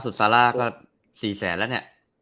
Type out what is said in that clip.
สุดซาระก็๔แสนแล้วเนี่ย